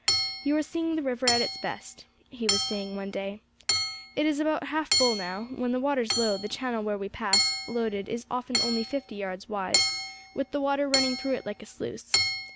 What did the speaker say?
"You are seeing the river at its best," he was saying one day. "It is about half full now; when the water's low, the channel where we can pass loaded is often only fifty yards wide, with the water running through it like a sluice.